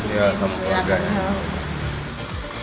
iya sama keluarganya